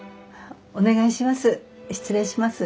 お願いします。